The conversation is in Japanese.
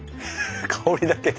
香りだけで？